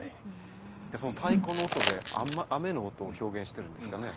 その太鼓の音で雨の音を表現しているんですかね。